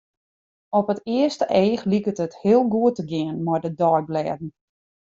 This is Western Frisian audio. Op it earste each liket it heel goed te gean mei de deiblêden.